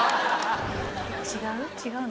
違う？